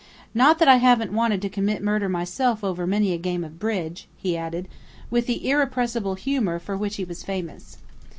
Not that I haven't wanted to commit murder myself over many a game of bridge," he added, with the irrepressible humor for which he was famous.